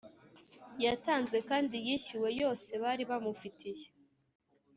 yatanzwe kandi yishyuwe yosebari bamufitiye